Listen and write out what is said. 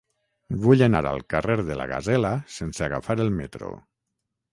Vull anar al carrer de la Gasela sense agafar el metro.